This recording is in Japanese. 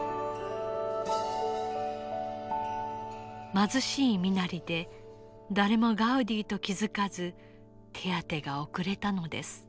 貧しい身なりで誰もガウディと気付かず手当てが遅れたのです。